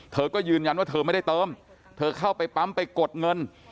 เธอก็ยืนยันว่าเธอไม่ได้เติมเธอเข้าไปปั๊มไปกดเงิน